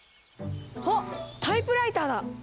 あっタイプライターだ！